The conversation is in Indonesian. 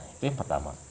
itu yang pertama